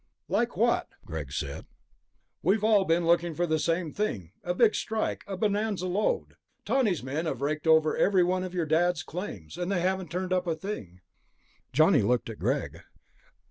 "Like what?" Greg said. "We've all been looking for the same thing ... a Big Strike, a bonanza lode. Tawney's men have raked over every one of your Dad's claims, and they haven't turned up a thing." Johnny looked at Greg.